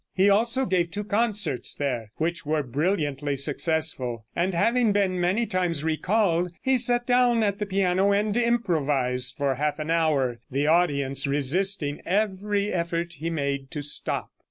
He also gave two concerts there, which were brilliantly successful, and having been many times recalled he sat down at the piano and improvised for half an hour, the audience resisting every effort he made to stop.